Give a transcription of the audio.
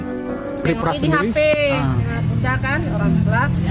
tengok ini hp orang gelap